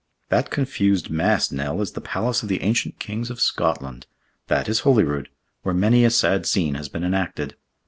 "That confused mass, Nell, is the palace of the ancient kings of Scotland; that is Holyrood, where many a sad scene has been enacted!